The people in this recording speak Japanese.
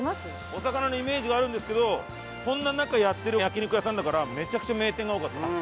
お魚のイメージがあるんですけどそんな中やってる焼肉屋さんだからめちゃくちゃ名店が多かったり。